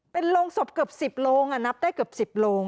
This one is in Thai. เป็นโรงศพเกือบ๑๐โรงนับได้เกือบ๑๐โลง